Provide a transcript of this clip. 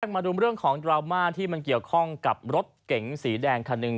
มาดูเรื่องของดราม่าที่มันเกี่ยวข้องกับรถเก๋งสีแดงคันหนึ่ง